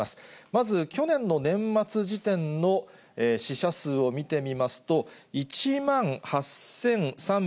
まず去年の年末時点の死者数を見てみますと、１万８３８５人。